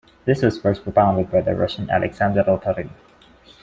This was first propounded by the Russian Alexander Oparin.